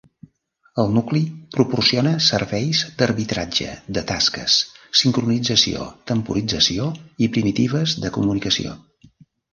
El nucli proporciona serveis d'arbitratge de tasques, sincronització, temporització i primitives de comunicació.